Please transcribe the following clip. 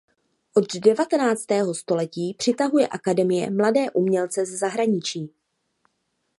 Od devatenáctého století přitahuje akademie mladé umělce ze zahraničí.